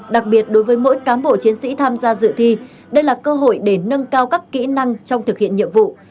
đặc biệt đối với mỗi cán bộ chiến sĩ tham gia dự thi đây là cơ hội để nâng cao các kỹ năng trong thực hiện nhiệm vụ